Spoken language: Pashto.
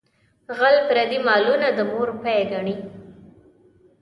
غل پردي مالونه د مور پۍ ګڼي.